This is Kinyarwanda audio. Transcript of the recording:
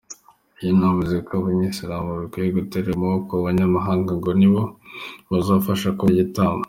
Yanavuze ko abayisilamu badakwiye gutegera amaboko abanyamahanga ngo ni bo bazabafasha kubona igitambo.